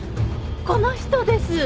この人です。